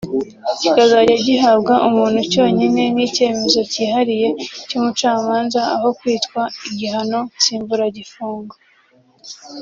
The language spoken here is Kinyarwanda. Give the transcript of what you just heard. kikazajya gihabwa umuntu cyonyine nk’icyemezo cyihariye cy’umucamanza aho kwitwa igihano nsimburagifungo